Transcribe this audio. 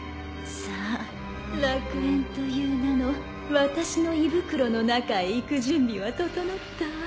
さあ楽園という名の私の胃袋の中へ行く準備は整ったわ。